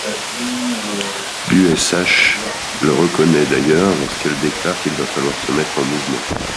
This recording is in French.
L’USH le reconnaît d’ailleurs lorsqu’elle déclare qu’il va falloir se mettre en mouvement.